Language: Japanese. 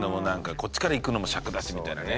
こっちからいくのもシャクだしみたいなね。